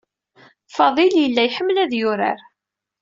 Fadil yella iḥemmel ad yurar.